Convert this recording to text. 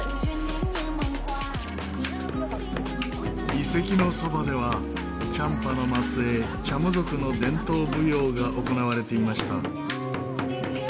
遺跡のそばではチャンパの末裔チャム族の伝統舞踊が行われていました。